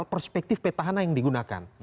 perspektif petahana yang digunakan